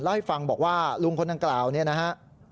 เล่าให้ฟังบอกว่าลุงคนดังกล่าวเนี่ยนะฮะ